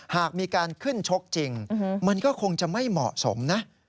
หากมีการขึ้นชกจริงมันก็คงจะไม่เหมาะสมนะ